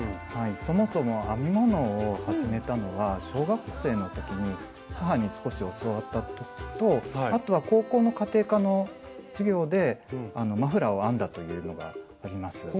はいそもそも編み物を始めたのは小学生の時に母に少し教わった時とあとは高校の家庭科の授業でマフラーを編んだというのがあります。